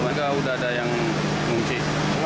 satu meter udah ada yang mengunci